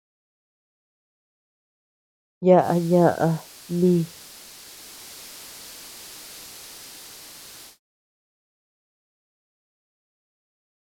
Yaʼa ñaʼa mii.